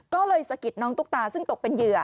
ก็เลยสะกิดน้องตุ๊กตาซึ่งตกเป็นเหยื่อ